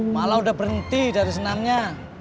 malah udah berhenti dari senamnya